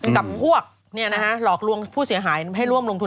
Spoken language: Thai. กับพวกเนี่ยนะคะหลอกผู้เสียหายให้ร่วมลงทุน